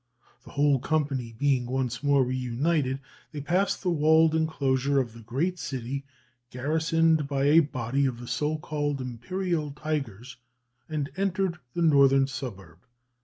The whole company being once more reunited, they passed the walled enclosure of the great city, garrisoned by a body of the so called "Imperial Tigers," and entered the northern suburb.